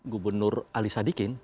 gubernur ali sadikin